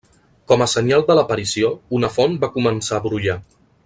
Com a senyal de l'aparició, una font va començar a brollar.